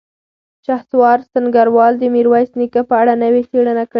شهسوار سنګروال د میرویس نیکه په اړه نوې څېړنه کړې.